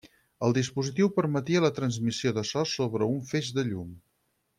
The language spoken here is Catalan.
El dispositiu permetia la transmissió de so sobre un feix de llum.